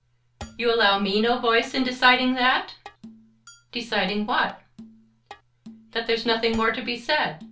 "You allow me no voice in deciding that?" "Deciding what?" "That there's nothing more to be said?"